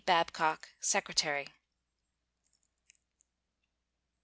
BABCOCK, Secretary.